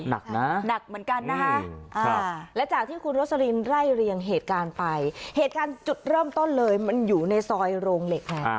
หนักนะหนักเหมือนกันนะคะและจากที่คุณโรสลินไล่เรียงเหตุการณ์ไปเหตุการณ์จุดเริ่มต้นเลยมันอยู่ในซอยโรงเหล็กไง